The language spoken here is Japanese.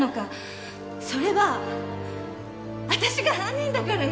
それはあたしが犯人だからよ！